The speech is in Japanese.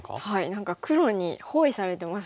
何か黒に包囲されてますね。